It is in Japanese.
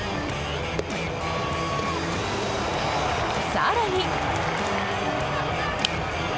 更に。